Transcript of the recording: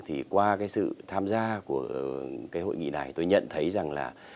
thì qua cái sự tham gia của cái hội nghị này tôi nhận thấy rằng là